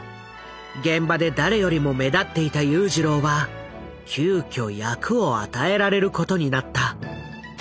現場で誰よりも目立っていた裕次郎は急きょ役を与えられることになった。